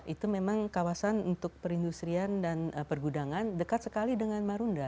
itu memang kawasan untuk perindustrian dan pergudangan dekat sekali dengan marunda